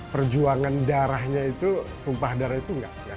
perjuangan darahnya itu tumpah darah itu nggak